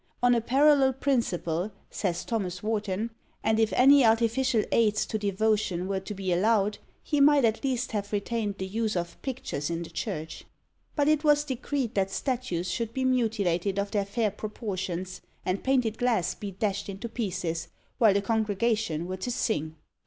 "On a parallel principle," says Thomas Warton, "and if any artificial aids to devotion were to be allowed, he might at least have retained the use of pictures in the church." But it was decreed that statues should be mutilated of "their fair proportions," and painted glass be dashed into pieces, while the congregation were to sing!